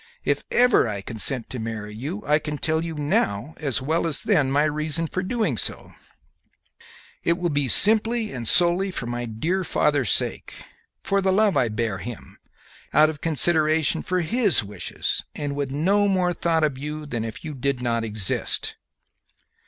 If ever I consent to marry you I can tell you now as well as then my reason for doing so: it will be simply and solely for my dear father's sake, for the love I bear him, out of consideration for his wishes, and with no more thought of you than if you did not exist."